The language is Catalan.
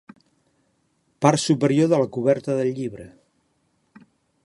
Part superior de la coberta del llibre.